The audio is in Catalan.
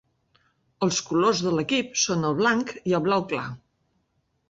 Els colors de l'equip són el blanc i el blau clar.